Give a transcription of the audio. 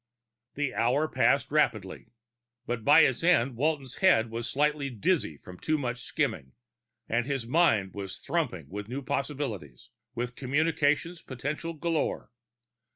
The hour passed rapidly; by its end, Walton's head was slightly dizzy from too much skimming, but his mind was thrumming with new possibilities, with communications potentials galore.